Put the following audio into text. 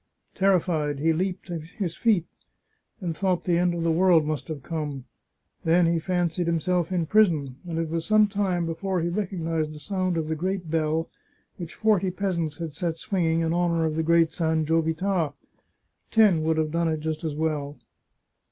Terrified, he leaped to his feet, and thought the end of the world must have come. Then he fancied himself in prison, and it was some time before he recognised the sound of the great bell which forty peasants had set swinging in honour of the great San Giovita. Ten would have done it just as well.